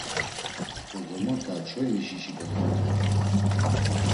Bozomota çoinişişi bozomota ort̆u.